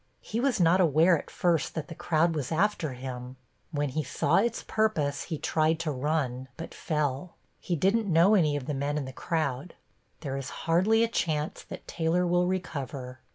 He was not aware at first that the crowd was after him. When he saw its purpose he tried to run, but fell. He didn't know any of the men in the crowd. There is hardly a chance that Taylor will recover.